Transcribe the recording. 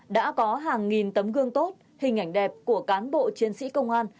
đã có hàng nghìn tấm gương tốt hình ảnh đẹp của cán bộ chiến sĩ công an